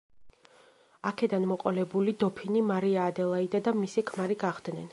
აქედან მოყოლებული დოფინი მარია ადელაიდა და მისი ქმარი გახდნენ.